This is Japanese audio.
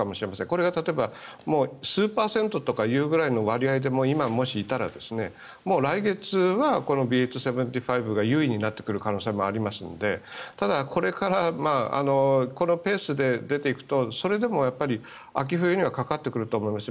これは例えば数パーセントというぐらいの割合で今もしいたら来月はこのＢＡ．２．７５が優位になってくる可能性はありますのでただこれからこのペースで出ていくとそれでも秋冬にはかかってくると思います。